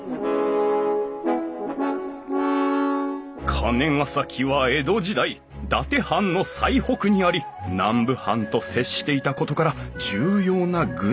金ケ崎は江戸時代伊達藩の最北にあり南部藩と接していたことから重要な軍事拠点だった。